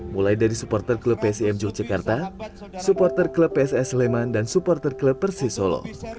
mulai dari supporter klub psim yogyakarta supporter klub pss leman dan supporter klub persisolo